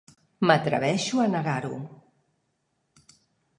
M'atreveixo a negar-ho.